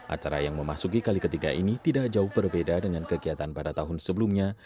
acara yang memasuki kali ketiga ini tidak jauh berbeda dengan kegiatan pada tahun sebelumnya